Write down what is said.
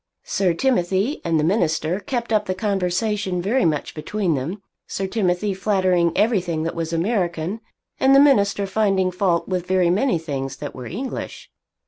Sir Timothy and the minister kept up the conversation very much between them, Sir Timothy flattering everything that was American, and the minister finding fault with very many things that were English.